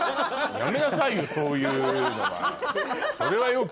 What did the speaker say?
やめなさいよそういうのは。